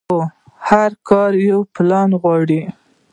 خو هر کار يو پلان غواړي.